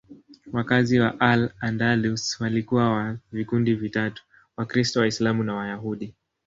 Wakazi wa Al-Andalus walikuwa wa vikundi vitatu: Wakristo, Waislamu na Wayahudi.